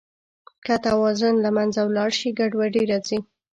که توازن له منځه ولاړ شي، ګډوډي راځي.